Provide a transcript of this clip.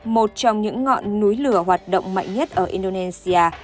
một trong những ngọn núi lửa hoạt động mạnh nhất ở indonesia